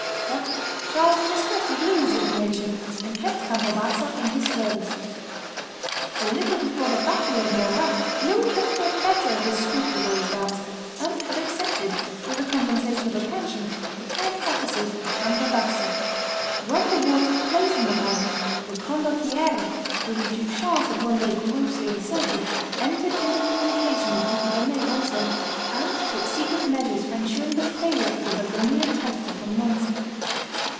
But Charles mistrusted Louis's information, and kept Campo Basso in his service. A little before the battle of Morat Louis had thought better of his scruples or his doubts, and had accepted, with the compensation of a pension, the kind offices of Campo Basso. When the war took place in Lorraine, the condottiere, whom Duke Charles had one day grossly insulted, entered into communication with Duke Rend also, and took secret measures for insuring the failure of the Burgundian attempts upon Nancy.